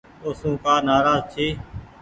اوسون ڪآ نآراز جي ۔